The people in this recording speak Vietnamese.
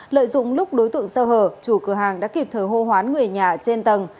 lợi dụng lúc đối tượng sơ hở chủ cửa hàng đã kịp thời hô hoán người nhà trên tầng